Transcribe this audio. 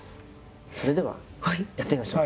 それではやってみましょう。